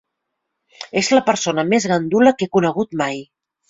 És la persona més gandula que he conegut mai.